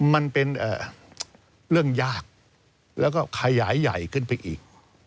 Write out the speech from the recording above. มันเป็นเรื่องยากแล้วก็ขยายใหญ่ขึ้นไปอีก